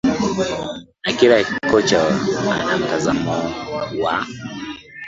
na kila kocha ana mtazamo wa